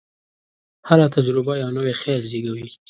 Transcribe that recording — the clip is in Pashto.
هره تجربه یو نوی خیال زېږوي.